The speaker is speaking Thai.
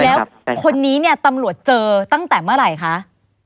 แล้วคนนี้เนี่ยตำรวจเจอตั้งแต่เมื่อไหร่คะ